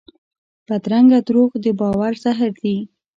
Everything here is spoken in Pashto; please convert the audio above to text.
بدرنګه دروغ د باور زهر دي